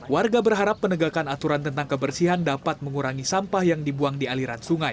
warga berharap penegakan aturan tentang kebersihan dapat mengurangi sampah yang dibuang di aliran sungai